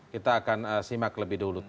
kita akan simak lebih dulu